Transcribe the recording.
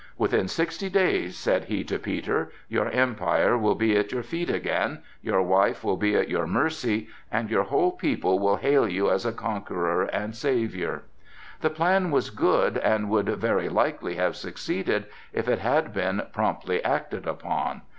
"Within sixty days," said he to Peter, "your Empire will be at your feet again, your wife will be at your mercy, and your whole people will hail you as a conqueror and savior!" The plan was good and would very likely have succeeded if it had been promptly acted upon.